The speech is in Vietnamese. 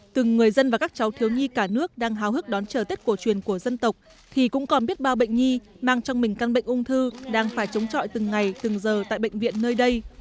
từng người dân và các cháu thiếu nhi cả nước đang hào hức đón chờ tết cổ truyền của dân tộc thì cũng còn biết bao bệnh nhi mang trong mình căn bệnh ung thư đang phải chống trọi từng ngày từng giờ tại bệnh viện nơi đây